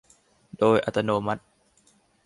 โดยอัตโนมัติ